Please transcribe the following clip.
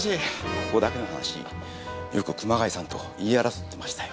ここだけの話よく熊谷さんと言い争ってましたよ。